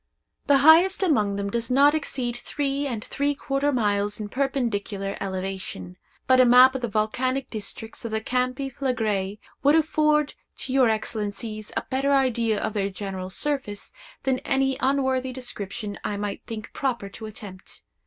The highest among them does not exceed three and three quarter miles in perpendicular elevation; but a map of the volcanic districts of the Campi Phlegraei would afford to your Excellencies a better idea of their general surface than any unworthy description I might think proper to attempt.